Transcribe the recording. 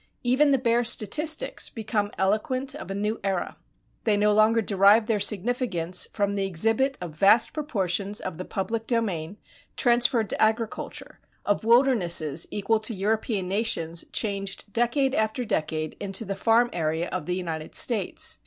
Even the bare statistics become eloquent of a new era. They no longer derive their significance from the exhibit of vast proportions of the public domain transferred to agriculture, of wildernesses equal to European nations changed decade after decade into the farm area of the United States.